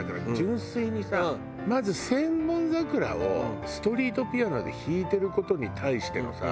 まず『千本桜』をストリートピアノで弾いてる事に対してのさ